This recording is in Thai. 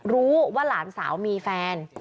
รู้ว่าหลานสาวมีแฟน